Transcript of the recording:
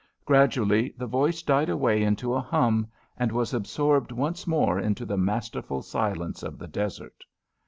Gradually the voice died away into a hum, and was absorbed once more into the masterful silence of the desert.